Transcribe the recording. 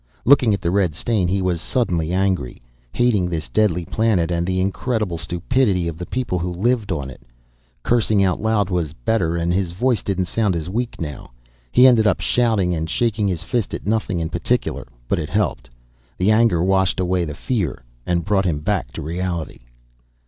Looking at the red stain he was suddenly angry. Hating this deadly planet and the incredible stupidity of the people who lived on it. Cursing out loud was better and his voice didn't sound as weak now. He ended up shouting and shaking his fist at nothing in particular, but it helped. The anger washed away the fear and brought him back to reality.